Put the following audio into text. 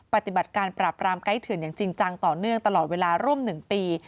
ปฏิบัติการปราบรามไกด์เถื่อนอย่างจริงจังต่อเนื่องตลอดเวลาร่วม๑ปี